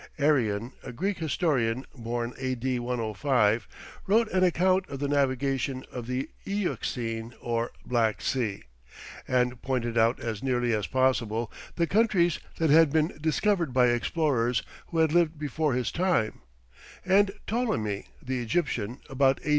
Arian, a Greek historian, born A.D. 105, wrote an account of the navigation of the Euxine or Black Sea, and pointed out as nearly as possible, the countries that had been discovered by explorers who had lived before his time; and Ptolemy the Egyptian, about A.